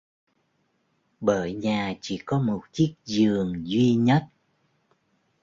Bởi nhà chỉ có một chiếc giường duy nhất